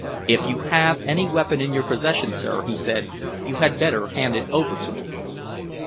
"If you have any weapon in your possession, sir," he said, "you had better hand it over to me."